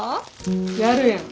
やるやん。